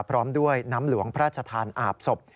พร้อมด้วยน้ำหลวงพระราชทานอาบศพ